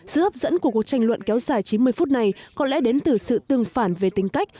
sự hấp dẫn của cuộc tranh luận kéo dài chín mươi phút này có lẽ đến từ sự tương phản về tính cách